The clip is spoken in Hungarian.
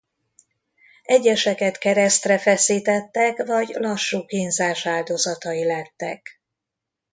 Egyeseket keresztre feszítettek vagy lassú kínzás áldozatai lettek.